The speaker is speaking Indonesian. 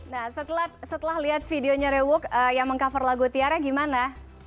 nah setelah lihat videonya rewook yang meng cover lagu tiara gimana